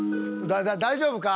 大丈夫か？